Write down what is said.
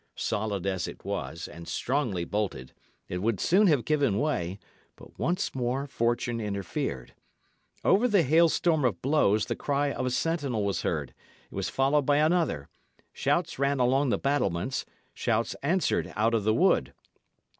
Solid as it was, and strongly bolted, it would soon have given way; but once more fortune interfered. Over the thunderstorm of blows the cry of a sentinel was heard; it was followed by another; shouts ran along the battlements, shouts answered out of the wood.